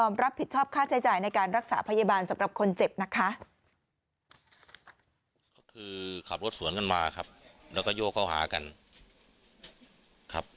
มาครับแล้วก็โยกเข้าหากันครับ